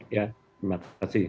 ya terima kasih